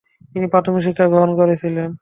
তিনি প্রাথমিক শিক্ষা গ্রহণ করেছিলেন।